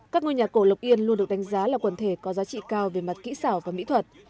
các ngôi nhà cổ lộc yên luôn được đánh giá là quần thể có giá trị cao về mặt kỹ xảo và mỹ thuật